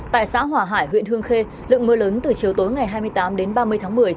tại xã hòa hải huyện hương khê lượng mưa lớn từ chiều tối ngày hai mươi tám đến ba mươi tháng một mươi